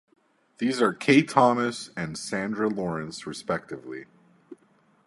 These are Kay Thomas and Sandra Lawrence respectively.